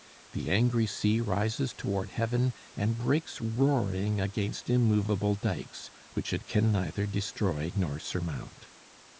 The angry sea rises toward heaven and breaks roaring against immovable dikes, which it can neither destroy nor surmount.